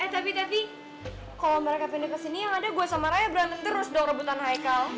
tapi tapi kalo mereka pindah kesini yang ada gue sama raya berantem terus dong rebutan haikal